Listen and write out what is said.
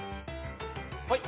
はい。